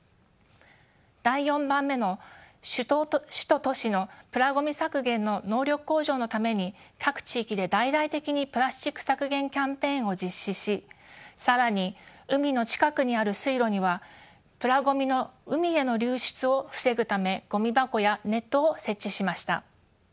第４番目の主要都市のプラごみ削減の能力向上のために各地域で大々的にプラスチック削減キャンペーンを実施し更に海の近くにある水路にはプラごみの海への流出を防ぐためごみ箱やネットを設置しました。